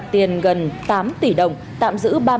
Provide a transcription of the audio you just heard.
tiền gần tám tỷ đồng tạm giữ